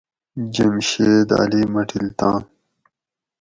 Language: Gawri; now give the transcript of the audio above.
جمشید علی مٹلتان